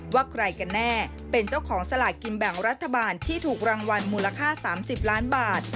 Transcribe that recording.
ว่าใครกันแน่เป็นเจ้าของสลากกินแบ่งรัฐบาลที่ถูกรางวัลมูลค่า๓๐ล้านบาท